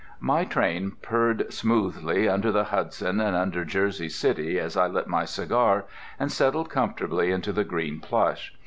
My train purred smoothly under the Hudson and under Jersey City as I lit my cigar and settled comfortably into the green plush.